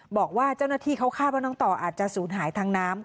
บอกว่าเจ้าหน้าที่เขาคาดว่าน้องต่ออาจจะศูนย์หายทางน้ำ